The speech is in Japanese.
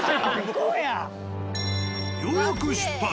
ようやく出発。